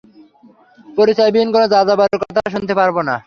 পরিচয় বিহীন কোন যাযাবরের কথা শুনতে পারবো না।